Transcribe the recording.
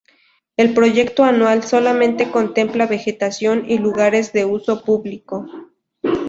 El proyecto actual solamente contempla vegetación y lugares de uso público.